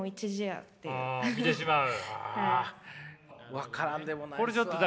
分からんでもないですわ。